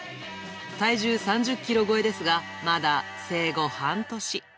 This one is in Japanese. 体重３０キロ超えですが、まだ生後半年。